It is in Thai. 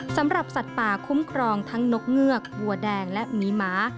สำหรับสัตว์ป่าคุ้มครองทั้งนกเงือกวัวแดงและหมีหมา